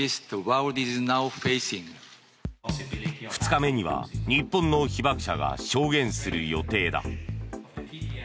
２日目には日本の被爆者が証言する予定だ。